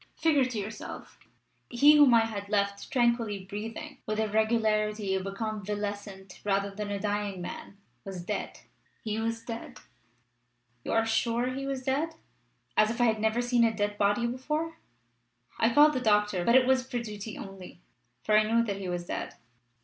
Figure to yourself! He whom I had left tranquilly breathing, with the regularity of a convalescent rather than a dying man, was dead! He was dead!" "You are sure he was dead?" "As if I had never seen a dead body before! I called the doctor, but it was for duty only, for I knew that he was dead."